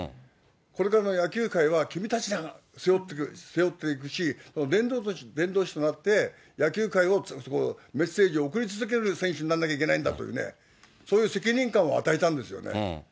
これからの野球界は君たちが背負っていくし、伝道師となって、野球界を、メッセージを送り続ける選手になんなきゃいけないんだっていうね、そういう責任感を与えたんですよね。